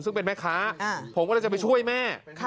ซึ่งเป็นแม่ค้าผมก็เลยจะไปช่วยแม่